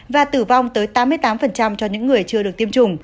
và tử vong tới tám mươi tám cho những người chưa được tiêm chủng